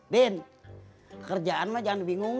din kerjaan mah jangan dibingungin